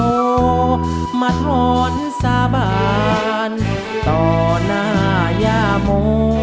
โอ้มันหวนสาบานต่อหน่ายาโม